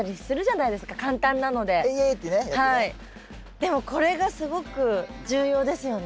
でもこれがすごく重要ですよね。